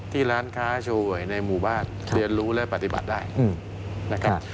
ร้านค้าโชว์หวยในหมู่บ้านเรียนรู้และปฏิบัติได้นะครับ